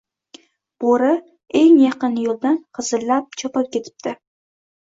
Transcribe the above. Boʻri eng yaqin yoʻldan gʻizillab chopib ketibdi